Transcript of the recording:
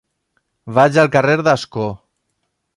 Vaig al carrer d'Ascó.